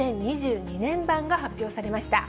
２０２２年版が発表されました。